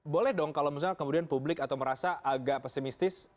boleh dong kalau misalnya kemudian publik atau merasa agak pesimistis